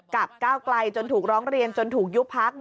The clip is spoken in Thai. ก้าวไกลจนถูกร้องเรียนจนถูกยุบพัก